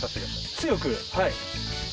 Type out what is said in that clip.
強くはい。